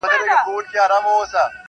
دا کمال ستا د جمال دی.